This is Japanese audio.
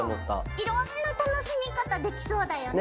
いろんな楽しみ方できそうだよね。